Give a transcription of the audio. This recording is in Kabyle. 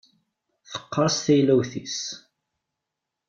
Teqqeṛṣ teylewt-is.